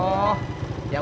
cyker ya ah